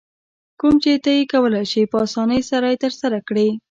کوم چې ته یې کولای شې په اسانۍ سره یې ترسره کړې.